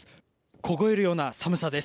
凍えるような寒さです。